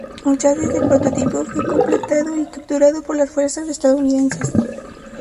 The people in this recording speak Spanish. Un chasis de prototipo fue completado y capturado por las fuerzas estadounidenses.